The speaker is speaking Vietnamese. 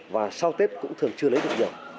và sau tết cũng thường chưa lấy được dầu